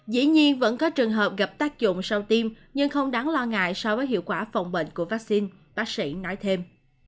dĩ nhiên vẫn có trường hợp gặp tác dụng sau tiêm nhưng không đáng lo ngại so với hiệu quả phòng bệnh của vaccine bác sĩ nói thêm